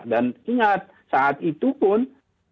dan ingat saat itu pun sebetulnya